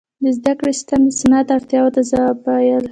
• د زدهکړې سیستم د صنعت اړتیاو ته ځواب وویل.